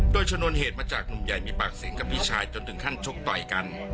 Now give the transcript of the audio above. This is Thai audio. โดยชนวนเหตุมาจากหนุ่มใหญ่มีปากเสียงกับพี่ชายจนถึงขั้นชกต่อยกัน